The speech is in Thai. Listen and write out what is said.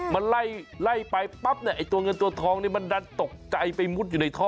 มันไล่ไปปั๊บเนี่ยไอ้ตัวเงินตัวทองนี่มันดันตกใจไปมุดอยู่ในท่อ